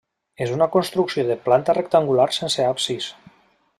És una construcció de planta rectangular sense absis.